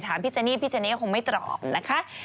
ถามพี่เจนี่พี่เจนี่ก็คงไม่ตอบนะคะ